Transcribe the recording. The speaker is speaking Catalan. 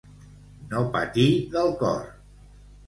No patir del cor.